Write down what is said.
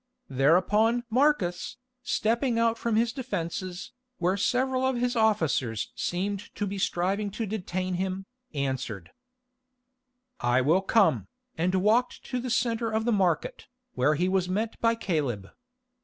Thereupon Marcus, stepping out from his defences, where several of his officers seemed to be striving to detain him, answered: "I will come," and walked to the centre of the market, where he was met by Caleb.